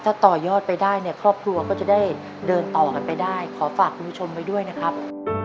ถ้าต่อยอดไปได้เนี่ยครอบครัวก็จะได้เดินต่อกันไปได้ขอฝากคุณผู้ชมไว้ด้วยนะครับ